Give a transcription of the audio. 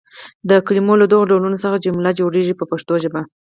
د کلمو له دغو ډولونو څخه جمله جوړیږي په پښتو ژبه.